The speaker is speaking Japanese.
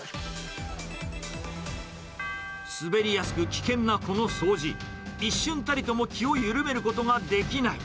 滑りやすく危険なこの掃除、一瞬たりとも気を緩めることができない。